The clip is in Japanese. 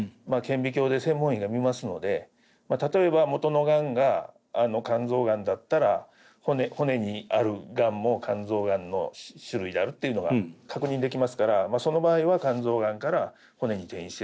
顕微鏡で専門医が見ますので例えば元のがんが肝臓がんだったら骨にあるがんも肝臓がんの種類であるっていうのが確認できますからその場合は肝臓がんから骨に転移してるというふうな診断になります。